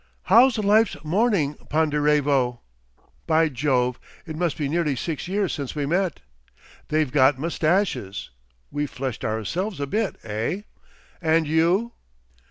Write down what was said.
"How's Life's Morning, Ponderevo? By Jove, it must be nearly six years since we met! They've got moustaches. We've fleshed ourselves a bit, eh? And you?"